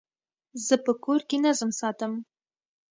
زه په کور کي نظم ساتم.